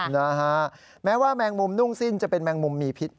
นะฮะแม้ว่าแมงมุมนุ่งสิ้นจะเป็นแมงมุมมีพิษ